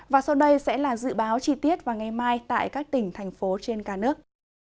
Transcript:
và sau đây sẽ là dự báo chi tiết vào ngày mai tại các tỉnh thành phố trên cả nước